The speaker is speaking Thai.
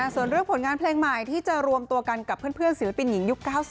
ส่วนเรื่องผลงานเพลงใหม่ที่จะรวมตัวกันกับเพื่อนศิลปินหญิงยุค๙๐